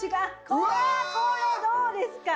これどうですか？